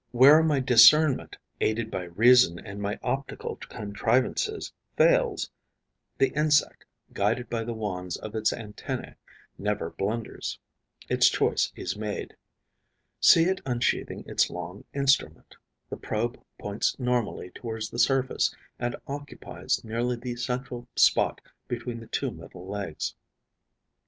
Where my discernment, aided by reason and my optical contrivances, fails, the insect, guided by the wands of its antennae, never blunders. Its choice is made. See it unsheathing its long instrument. The probe points normally towards the surface and occupies nearly the central spot between the two middle legs.